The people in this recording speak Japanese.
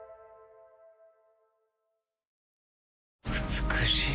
美しい。